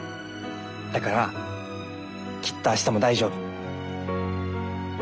だからきっとあしたも大丈夫。